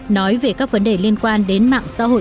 nói về các vấn đề liên quan đến mạng xã hội